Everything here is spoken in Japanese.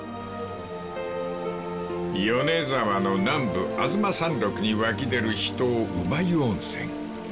［米沢の南部吾妻山麓に湧き出る秘湯姥湯温泉］